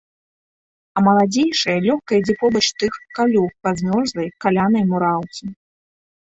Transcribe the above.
А маладзейшая лёгка ідзе побач тых калюг па змёрзлай, калянай мураўцы.